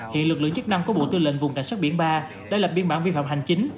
hiện lực lượng chức năng của bộ tư lệnh vùng cảnh sát biển ba đã lập biên bản vi phạm hành chính